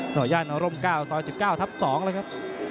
ย่านร่ม๙ซอย๑๙ทับ๒เลยครับ